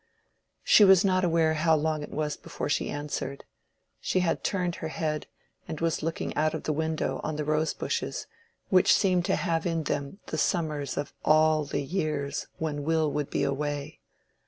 She was not aware how long it was before she answered. She had turned her head and was looking out of the window on the rose bushes, which seemed to have in them the summers of all the years when Will would be away.